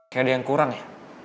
kayak ada yang kurang ya